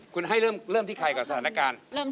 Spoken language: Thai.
คุณให้เริ่มที่ใครกับสถานการณ์